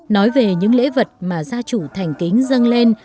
nói về những lễ vật mà gia chủ thành kính dâng lên